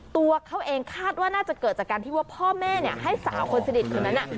ตัวเขาเองคาดว่าน่าจะเกิดจากการที่ว่าพ่อแม่ให้สาวคนสนิทคนนั้น